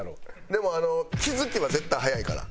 でも気付きは絶対早いから。